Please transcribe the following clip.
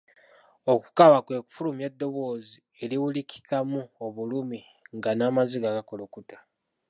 Okukaaba kwe kufulumya eddoboozi eriwulikikamu obulumi nga n'amaziga gakulukuta.